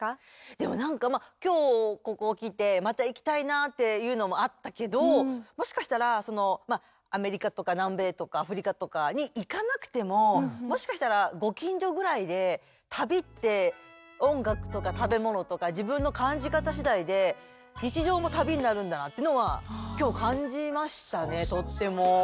でもなんか今日ここ来てまた行きたいなっていうのもあったけどもしかしたらアメリカとか南米とかアフリカとかに行かなくてももしかしたらご近所ぐらいで旅って音楽とか食べ物とか自分の感じ方しだいでってのは今日感じましたねとっても。